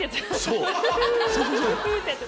そう！